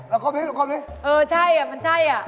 เอ๊ะเอาก็มิเออใช่มันใช่อ่ะ